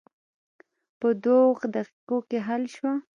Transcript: په دوه دقیقو کې حل شوه.